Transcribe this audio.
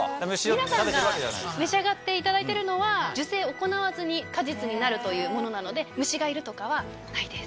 皆さんが召し上がっていただいてるのは受精行わずに果実になるというものなので虫がいるとかはないです。